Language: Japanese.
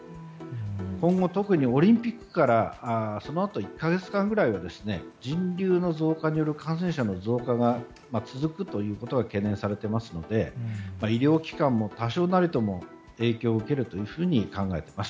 今後、特にオリンピックからそのあと１か月間くらいは人流の増加による感染者の増加が続くということが懸念されていますので医療機関も多少なりとも影響を受けると考えています。